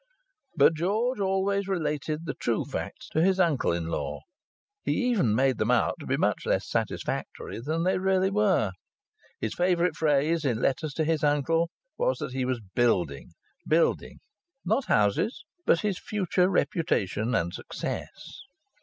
But George always related the true facts to his uncle in law; he even made them out to be much less satisfactory than they really were. His favourite phrase in letters to his uncle was that he was "building," "building" not houses, but his future reputation and success.